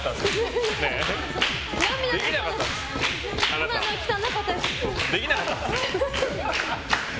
今のは汚かったです。